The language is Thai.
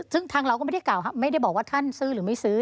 ซึ่งทางเราก็ไม่ได้บอกว่าท่านซื้อหรือไม่ซื้อ